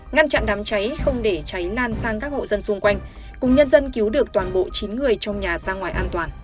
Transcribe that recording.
ngăn chặn đám cháy không để cháy lan sang các hộ dân xung quanh cùng nhân dân cứu được toàn bộ chín người trong nhà ra ngoài an toàn